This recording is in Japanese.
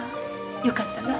よかったな。